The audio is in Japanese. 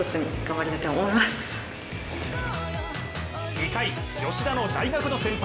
２回、吉田の大学の先輩